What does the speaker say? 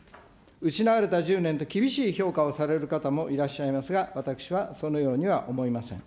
失われた１０年と、厳しい評価をされる方もいらっしゃいますが、私はそのようには思いません。